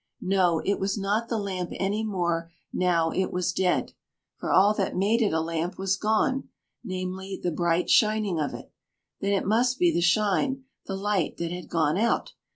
No, it was not the lamp any more now it was dead, for all that made it a lamp was gone, namely, the bright shining of it. Then it must be the shine, the light, that had gone out!